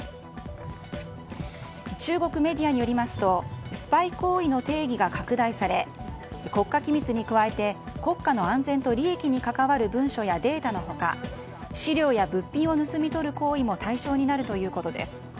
中国メディアによりますとスパイ行為の定義が拡大され国家機密に加えて国家の安全と利益に関わる文書やデータの他資料や物品を盗み取る行為も対象になるということです。